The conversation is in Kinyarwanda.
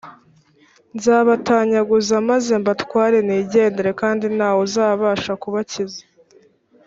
nzabatanyaguza maze mbatware nigendere kandi nta wuzabasha kubakiza